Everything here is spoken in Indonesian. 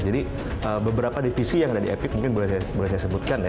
jadi beberapa divisinya ada di epic yang boleh saya sebutkan